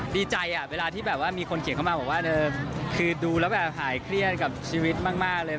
ดีใจเวลาที่แบบว่ามีคนเขียนเข้ามาบอกว่าคือดูแล้วแบบหายเครียดกับชีวิตมากเลย